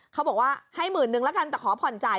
เขาบอกว่าให้๑๑๐๐๐แล้วกันแต่ขอผ่อนจ่าย